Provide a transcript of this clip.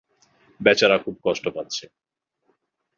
বেচারা খুব কষ্ট পাচ্ছে।